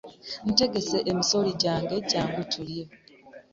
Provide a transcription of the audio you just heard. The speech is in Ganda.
Ntegese emisooli gyange jangu tulye.